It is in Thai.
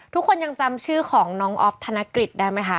ทุกคนยังจำชื่อของน้องอ๊อฟธนกฤษได้ไหมคะ